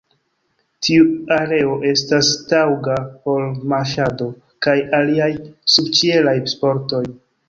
Tiu areo estas taŭga por marŝado kaj aliaj subĉielaj sportoj.